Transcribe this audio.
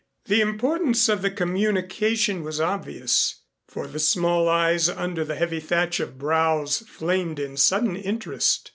The importance of the communication was obvious, for the small eyes under the heavy thatch of brows flamed in sudden interest.